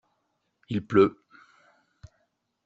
Il pleut.